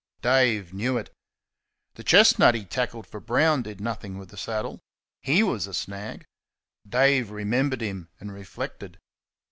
Dave knew it. The chestnut he tackled for Brown did nothing with the saddle. HE was a snag. Dave remembered him and reflected.